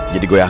jadi gue yakin